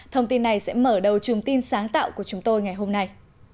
thông tin này sẽ mở đầu trùng tin sáng tạo của chúng tôi ngày hôm nay